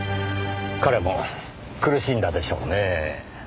彼も苦しんだでしょうねぇ。